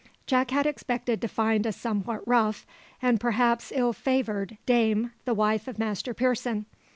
Jack had expected to find a somewhat rough, and perhaps ill favoured, dame the wife of Master Pearson.